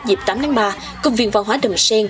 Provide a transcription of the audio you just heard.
dịp tám ba công viên văn hóa đầm sen